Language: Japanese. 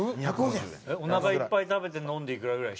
おなかいっぱい食べて飲んでいくらぐらい？